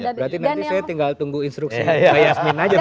berarti nanti saya tinggal tunggu instruksi